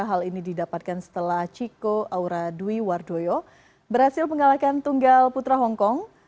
hal ini didapatkan setelah chico aura dwi wardoyo berhasil mengalahkan tunggal putra hongkong